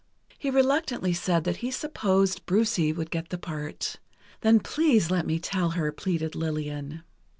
He reluctantly said that he supposed "Brucie" would get the part. "Then please let me tell her," pleaded Lillian.